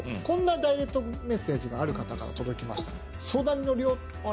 こんなダイレクトメッセージがある方から届きました。